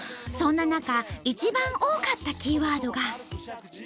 そんな中一番多かったキーワードが。